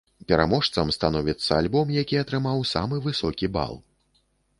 Пераможцам становіцца альбом, які атрымаў самы высокі бал.